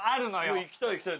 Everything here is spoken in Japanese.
いや行きたい行きたい。